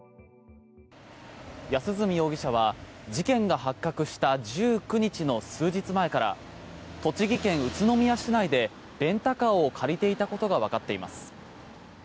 安栖容疑者は事件が発覚した１９日の数日前から栃木県宇都宮市内でレンタカーを借りていたことがわかっています。